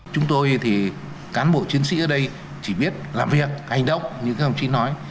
chúng tôi thì cán bộ chiến sĩ ở đây chỉ biết làm việc hành động như các ông chí nói